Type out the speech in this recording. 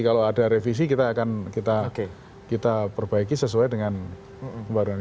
kalau ada revisi kita akan kita perbaiki sesuai dengan pembaruan